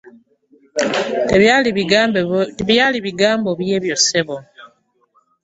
Tebyali bigambo byo ebyo ssebo?